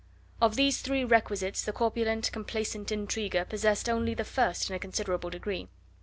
Of these three requisites the corpulent, complacent intriguer possessed only the first in a considerable degree.